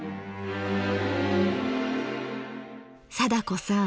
貞子さん